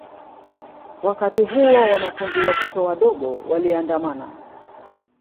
Wakati huo wanafunzi watoto wadogo waliandamana